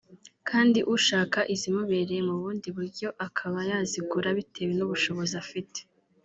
kandi ushaka izimubereye mu bundi buryo akaba yazigura bitewe n’ubushobozi afite